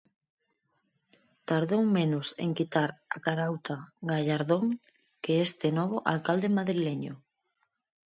Tardou menos en quitar a carauta Gallardón que este novo alcalde madrileño.